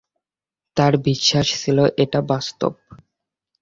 তার বিশ্বাস ছিল এটা বাস্তব।